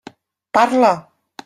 Parla!